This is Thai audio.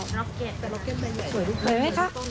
ราเก็ต